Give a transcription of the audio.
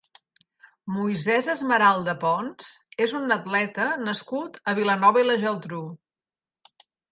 Moisés Esmeralda Pons és un atleta nascut a Vilanova i la Geltrú.